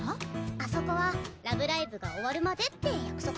あそこは「ラブライブ！」が終わるまでって約束で。